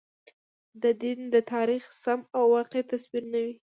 د دین د تاریخ سم او واقعي تصویر نه وي.